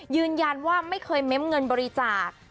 ยืนยันว่าไม่เคยเม้มเงินบริจาค